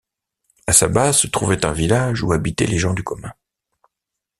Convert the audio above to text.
À sa base, se trouvait un village où habitaient les gens du commun.